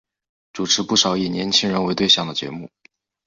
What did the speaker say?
主持不少以年青人为对象的节目。